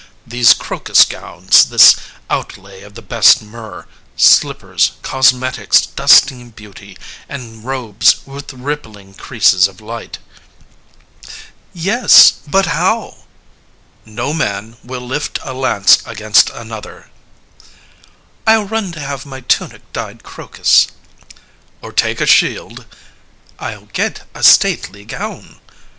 These crocus gowns, this outlay of the best myrrh, Slippers, cosmetics dusting beauty, and robes With rippling creases of light. CALONICE Yes, but how? LYSISTRATA No man will lift a lance against another CALONICE I'll run to have my tunic dyed crocus. LYSISTRATA Or take a shield CALONICE I'll get a stately gown.